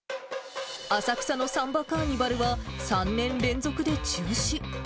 浅草のサンバカーニバルは、３年連続で中止。